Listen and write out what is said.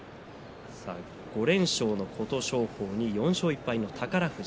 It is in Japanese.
５連勝の琴勝峰に４勝１敗の宝富士。